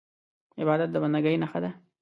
عبادت د بندګۍ نښه ده.